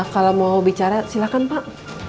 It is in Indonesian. kalau mau bicara silakan pak